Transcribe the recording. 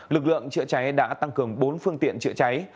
lực lượng chữa cháy đã tăng cường bốn phương tiện chữa cháy